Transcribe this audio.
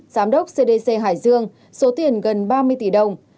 giám đốc cdc hải dương số tiền gần ba mươi tỷ đồng